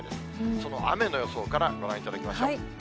その雨の予想からご覧いただきましょう。